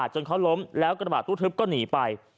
จนเขาล้มแล้วกระบาดตู้ทึบก็หนีไป